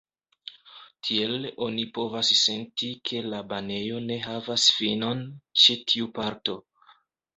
Tiel oni povas senti, ke la banejo ne havas finon ĉe tiu parto.